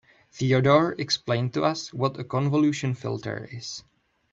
Theodore explained to us what a convolution filter is.